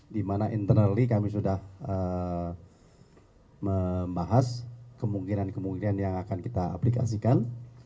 di mana internally kami sudah membahas kemungkinan kemungkinan yang akan kita aplikasikan